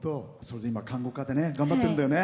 看護科で頑張ってるんだよね。